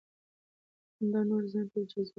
خندا نور ځان ته جذبوي.